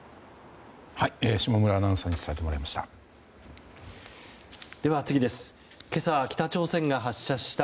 下村アナウンサーに伝えてもらいました。